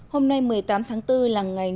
hôm nay một mươi tám tháng bốn là ngày